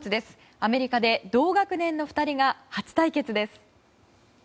アメリカで同学年の２人が初対決です。